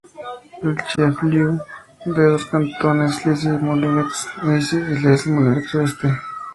Es el "chef-lieu" de dos cantones: Issy-les-Moulineaux Este e Issy-les-Moulineaux Oeste.